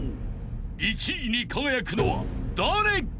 ［１位に輝くのは誰か？］